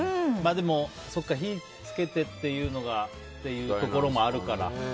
でも、火を付けてっていうのがというところもあるから。